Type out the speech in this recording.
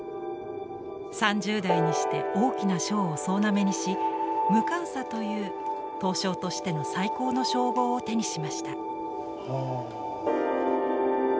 ３０代にして大きな賞を総なめにし無鑑査という刀匠としての最高の称号を手にしました。